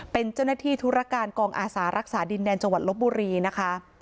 เป็นเจ้าหน้าที่ธุรการกองอาสารักษาดินแดนจังหวัดลบบุรีนะคะ